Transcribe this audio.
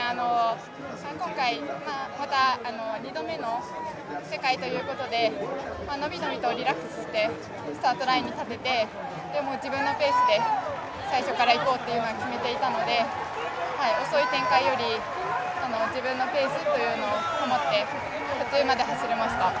今回、２度目の世界ということで伸び伸びとリラックスしてスタートラインに立てて、自分のペースで最初から行こうというのは決めていたので遅い展開より自分のペースというのを保って途中まで走れました。